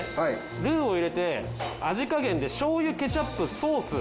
ルーを入れて味加減でしょうゆケチャップソース